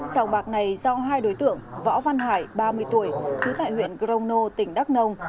sòng bạc này do hai đối tượng võ văn hải ba mươi tuổi chú tại huyện grông nô tỉnh đắk nông